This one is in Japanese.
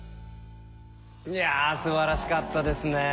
いやすばらしかったですね。